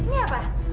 ini ini semua apa